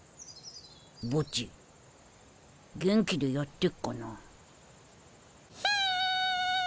ボッジ元気でやってっかな。